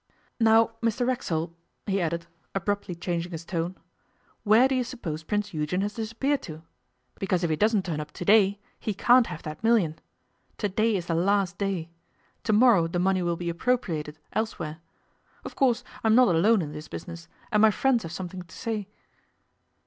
Now, Mr Racksole,' he added, abruptly changing his tone, 'where do you suppose Prince Eugen has disappeared to? Because if he doesn't turn up to day he can't have that million. To day is the last day. To morrow the money will be appropriated, elsewhere. Of course, I'm not alone in this business, and my friends have something to say.